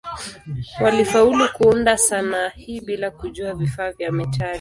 Walifaulu kuunda sanaa hii bila kujua vifaa vya metali.